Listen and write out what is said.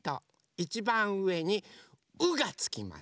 いちばんうえに「う」がつきます。